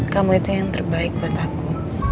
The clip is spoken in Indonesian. kamu itu yang terbaik buat aku